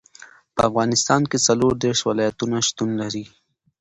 په افغانستان کې څلور دېرش ولایتونه شتون لري.